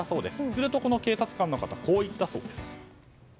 すると、この警察官の方はこう言ったそうです。